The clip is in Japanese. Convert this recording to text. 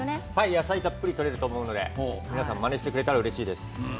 野菜たっぷりとれると思うので、まねしてくれたらうれしいです。